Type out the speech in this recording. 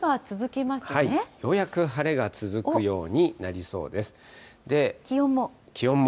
ようやく晴れが続くようにな気温も。